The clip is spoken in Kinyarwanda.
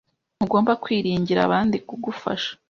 Ntugomba kwiringira abandi kugufasha.